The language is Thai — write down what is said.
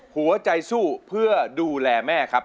หัวใจสู้เพื่อดูแลแม่ครับ